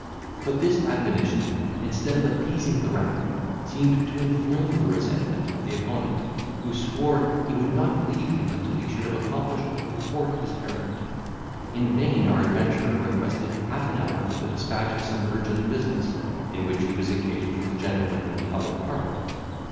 But this admonition, instead of appeasing the wrath, seemed to inflame the resentment of the opponent, who swore he would not leave him until he should have accomplished the purport of his errand. In vain our adventurer requested half an hour for the despatch of some urgent business, in which he was engaged with a gentleman in the other parlour.